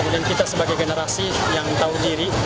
dan kita sebagai generasi yang tahu diri